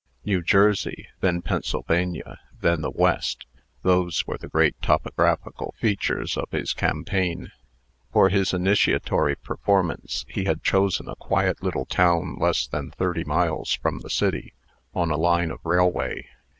New Jersey, then Pennsylvania, then the West those were the great topographical features of his campaign. For his initiatory performance, he had chosen a quiet little town less than thirty miles from the city, on a line of railway.